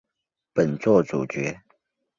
本作主角。